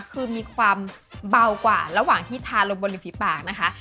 คือมีความเบากว่าระหว่างที่ทาลงบนริมฝีปากนะคะ